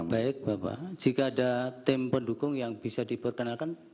baik bapak jika ada tim pendukung yang bisa diperkenalkan